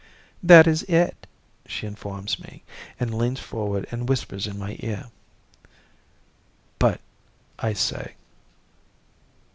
"That is it," she informs me and leans forward and whispers in my ear. "But " I say.